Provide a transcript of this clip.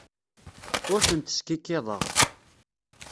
Ur tent-skikkiḍeɣ.